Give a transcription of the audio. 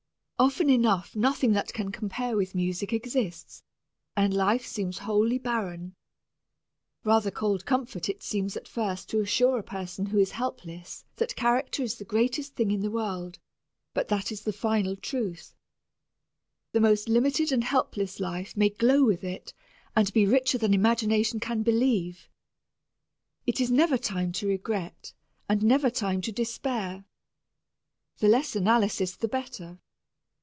Often enough nothing that can compare with music exists, and life seems wholly barren. Rather cold comfort it seems at first to assure a person who is helpless that character is the greatest thing in the world, but that is the final truth. The most limited and helpless life may glow with it and be richer than imagination can believe. It is never time to regret and never time to despair. The less analysis the better.